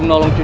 dan yang baik